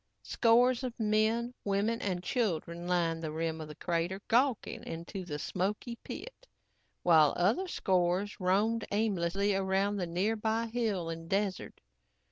Scores of men, women and children lined the rim of the crater, gawking into the smoky pit, while other scores roamed aimlessly around the nearby hill and desert.